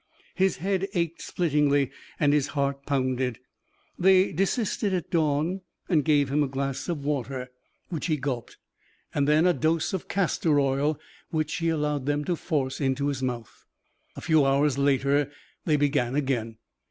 His head ached splittingly and his heart pounded. They desisted at dawn, gave him a glass of water, which he gulped, and a dose of castor oil, which he allowed them to force into his mouth. A few hours later they began again.